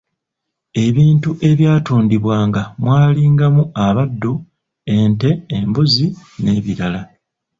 "Ebintu ebyatundibwanga mwalingamu abaddu, ente, embuzi n’ebirala."